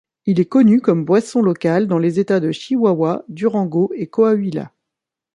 Il est connu comme boisson locale dans les états de Chihuahua, Durango et Coahuila.